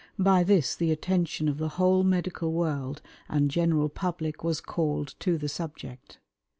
By this the attention of the whole medical world and general public was called to the subject.